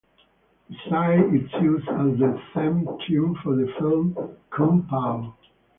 Besides its use as the theme tune for the film Kung Pow!